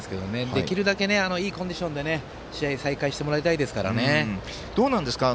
できるだけいいコンディションで試合再開してもらいたいですからね。